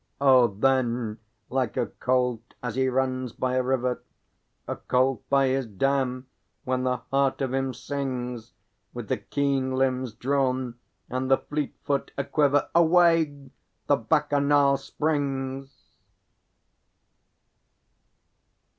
Oh, then, like a colt as he runs by a river, A colt by his dam, when the heart of him sings, With the keen limbs drawn and the fleet foot a quiver, Away the Bacchanal springs!